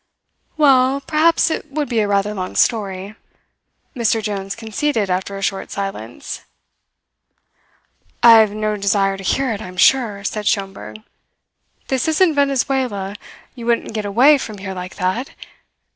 "Well, perhaps it would be a rather long story," Mr. Jones conceded after a short silence. "I have no desire to hear it, I am sure," said Schomberg. "This isn't Venezuela. You wouldn't get away from here like that.